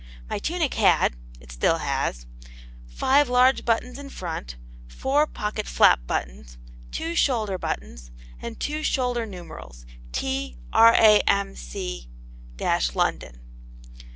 My tunic had (it still has) five large buttons in front, four pocket flap buttons, two shoulder buttons, and two shoulder numerals, "T. R.A.M.C. LONDON."